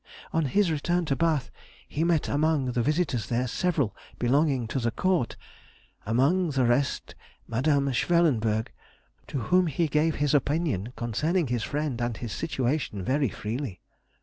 On his return to Bath he met among the visitors there several belonging to the Court (among the rest Mde. Schwellenberg), to whom he gave his opinion concerning his friend and his situation very freely.